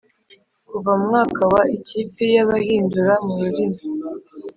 Kuva mu mwaka wa ikipi y abahindura mu rurimi